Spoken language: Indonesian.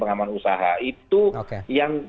pengaman usaha itu yang